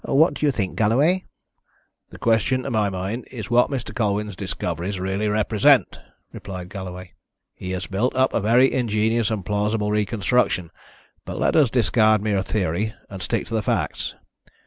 What do you think, Galloway?" "The question, to my mind, is what Mr. Colwyn's discoveries really represent," replied Galloway. "He has built up a very ingenious and plausible reconstruction, but let us discard mere theory, and stick to the facts.